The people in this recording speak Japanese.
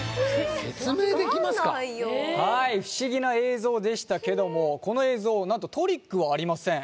はい不思議な映像でしたけどもこの映像何とトリックはありません